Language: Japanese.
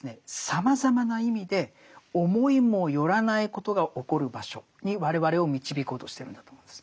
さまざまな意味で思いもよらないことが起こる場所に我々を導こうとしてるんだと思うんです。